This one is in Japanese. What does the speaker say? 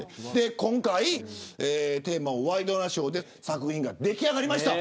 今回テーマをワイドナショーで作品が出来上がりました。